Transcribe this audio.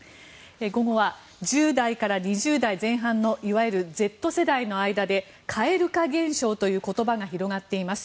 午後は１０代から２０代前半のいわゆるＺ世代の間で蛙化現象という言葉が広がっています。